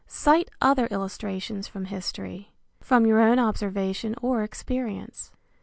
Cite other illustrations from history. From your own observation or experience.